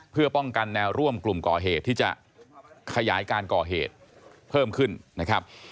เพื่อป้องกันแนวร่วมกลุ่มก่อเหตุที่จะขยายการก่อเหตุเพิ่มขึ้นนะครับ